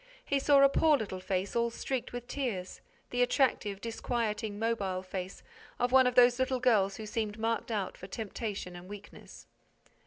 He saw a poor little face all streaked with tears, the attractive, disquieting, mobile face of one of those little girls who seem marked out for temptation and weakness.